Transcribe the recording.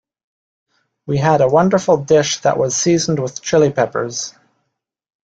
We had a wonderful dish that was seasoned with Chili Peppers.